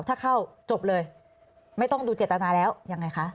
ถ้าเข้าจบเลยไม่ต้องดูเจตนาแล้วยังไงคะ